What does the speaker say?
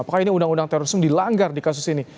apakah ini undang undang terorisme dilanggar di kasus ini